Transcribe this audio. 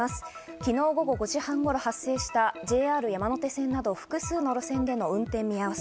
昨日、午後５時半頃発生したＪＲ山手線など複数の路線での運転見合わせ。